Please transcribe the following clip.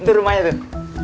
itu rumahnya tuh